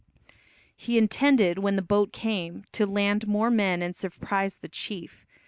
He intended, when the boat came, to land more men and surprise the chief.